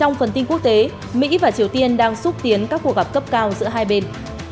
trong phần tin quốc tế mỹ và triều tiên đang xúc tiến các cuộc gặp cấp cao giữa hai bên